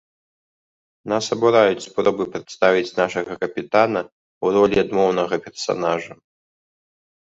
Нас абураюць спробы прадставіць нашага капітана ў ролі адмоўнага персанажа.